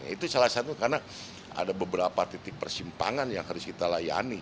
itu salah satu karena ada beberapa titik persimpangan yang harus kita layani